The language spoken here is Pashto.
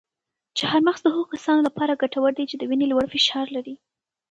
چهارمغز د هغو کسانو لپاره ګټور دي چې د وینې لوړ فشار لري.